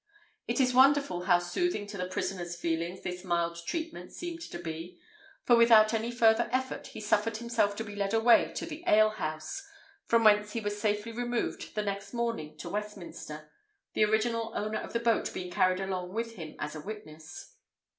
It is wonderful how soothing to the prisoner's feelings this mild treatment seemed to be; for without any further effort he suffered himself to be led away to the alehouse, from whence he was safely removed the next morning to Westminster, the original owner of the boat being carried along with him as a witness.